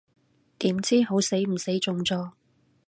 點知好死唔死中咗